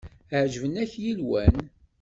Ԑeǧben-ak yilwen.